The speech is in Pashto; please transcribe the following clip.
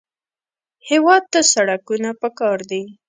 هېواد ته سړکونه پکار دي